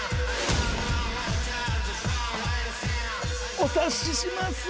お察しします。